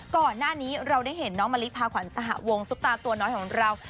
ก่อนหน้านี้เราได้เห็นน้องมะลิพาขวัญสหวงซุปตาตัวน้อยของเรา